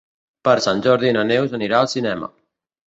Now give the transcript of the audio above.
Per Sant Jordi na Neus anirà al cinema.